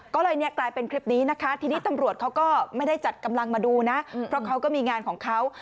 ก็เลยเนี่ยกลายเป็นคลิปนี้นะคะทีนี้ตำรวจเขาก็ไม่ได้จัดกำลังมาดูนะเพราะเขาก็มีงานของเขา